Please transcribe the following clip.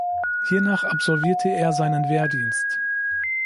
Hiernach absolvierte er seinen Wehrdienst.